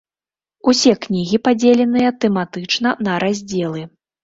Усе кнігі падзеленыя тэматычна на раздзелы.